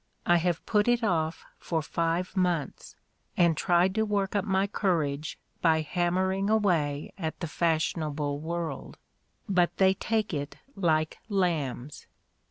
I have put it off for five months, and tried to work up my courage by hammering away at the fashionable world, but they take it like lambs.